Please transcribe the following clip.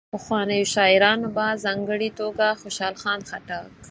پخوانیو شاعرانو په ځانګړي توګه خوشال خان خټک.